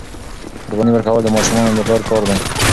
قرباني ورکول د ماشومانو د پلار کار دی.